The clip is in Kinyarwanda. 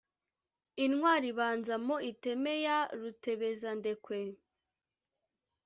intwali ibanza mu iteme ya rutebezandekwe;